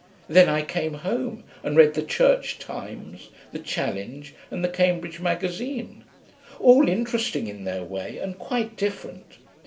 Then I came home and read the Church Times, the Challenge, and the Cambridge Magazine. All interesting in their way, and quite different.